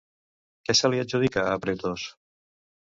Què se li adjudica a Pretos?